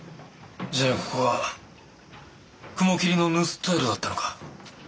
じゃあここは雲霧の盗人宿だったのか。